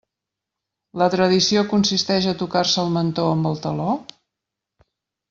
La tradició consisteix a tocar-se el mentó amb el taló?